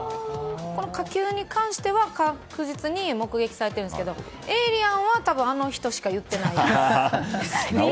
この火球に関しては確実に目撃されているんですがエイリアンはあの人しか言ってないです。